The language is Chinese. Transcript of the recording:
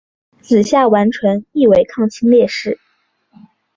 子夏完淳亦为抗清烈士。